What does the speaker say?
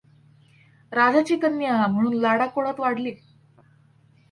राजाची कन्या म्हणून लाडा कोडात वाढली.